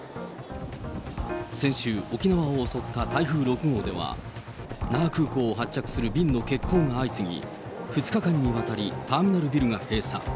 先週、沖縄を襲った台風６号では、那覇空港を発着する便の欠航が相次ぎ、２日間にわたり、ターミナルビルが閉鎖。